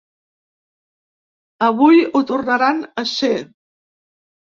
Avui ho tornaran a ser.